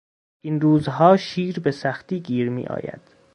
این روزها شیر به سختی گیر میآید.